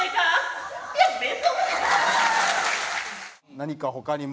何か他にも。